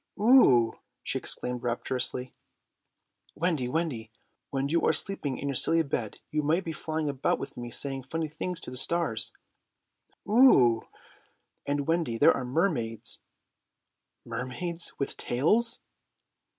"Oo!" she exclaimed rapturously. "Wendy, Wendy, when you are sleeping in your silly bed you might be flying about with me saying funny things to the stars." "Oo!" "And, Wendy, there are mermaids." "Mermaids! With tails?"